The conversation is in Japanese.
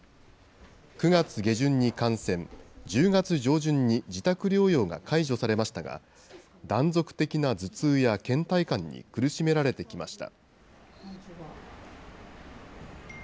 ９月下旬に感染、１０月上旬に自宅療養が解除されましたが、断続的な頭痛やけん怠感に苦しめられてきました。